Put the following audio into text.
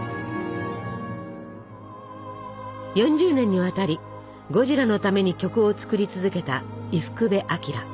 ４０年にわたりゴジラのために曲を作り続けた伊福部昭。